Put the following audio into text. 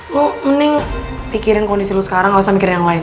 lo mending pikirin kondisi lo sekarang gak usah mikirin yang lain